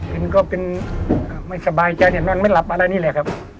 เป็นก็เป็นไม่สบายใจเนี่ยนอนไม่หลับอะไรนี่แหละครับ